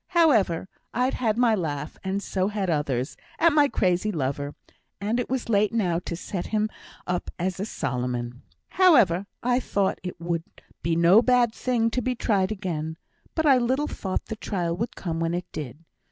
However, I'd had my laugh, and so had others, at my crazy lover, and it was late now to set him up as a Solomon. However, I thought it would be no bad thing to be tried again; but I little thought the trial would come when it did.